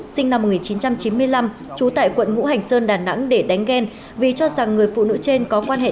sinh năm một nghìn chín trăm chín mươi năm trú tại quận ngũ hành sơn đà nẵng để đánh ghen vì cho rằng người phụ nữ trên có quan hệ